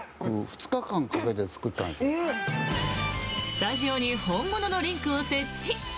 スタジオに本物のリンクを設置。